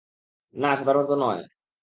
না, সাধারণত নয়।